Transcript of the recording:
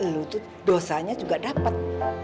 lu tuh dosanya juga dapet